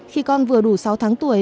khi con vừa đủ sáu tháng tuổi